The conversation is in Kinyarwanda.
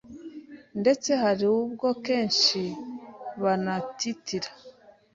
ndetse hari ubwo kenshi banatitira